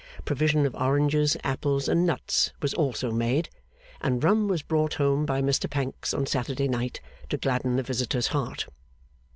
Provision of oranges, apples, and nuts was also made. And rum was brought home by Mr Pancks on Saturday night, to gladden the visitor's heart.